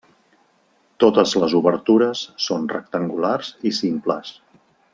Totes les obertures són rectangulars i simples.